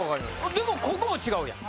でもここも違うやん